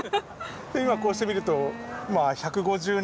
今こうして見ると１５０年前も今も。